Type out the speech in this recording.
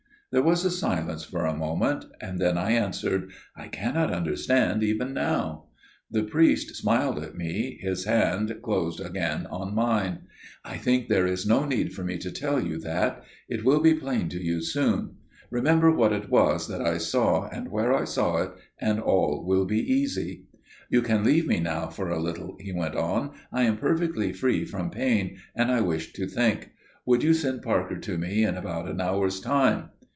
There was a silence for a moment: then I answered. "I cannot understand even now." The priest smiled at me, and his hand closed again on mine. "I think there is no need for me to tell you that. It will be plain to you soon. Remember what it was that I saw, and where I saw it, and all will be easy. "You can leave me now for a little," he went on. "I am perfectly free from pain, and I wish to think. Would you send Parker to me in about an hour's time?"